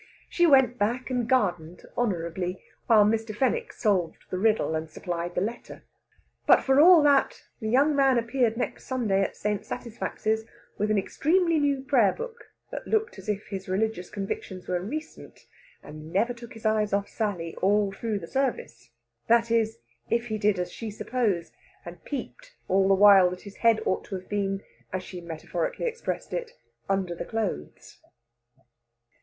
She went back and gardened honourably, while Mr. Fenwick solved the riddle and supplied the letter. But for all that, the young man appeared next Sunday at St. Satisfax's, with an extremely new prayer book that looked as if his religious convictions were recent, and never took his eyes off Sally all through the service that is, if he did as she supposed, and peeped all the while that his head ought to have been, as she metaphorically expressed it, "under the clothes."